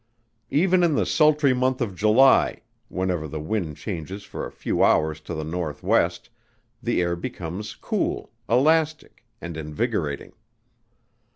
Even in the sultry month of July, whenever the wind changes for a few hours to the N.W. the air becomes cool, elastic, and invigorating.